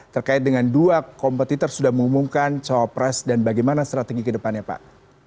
terkait dengan dua kompetitor sudah mengumumkan cawapres dan bagaimana strategi ke depannya pak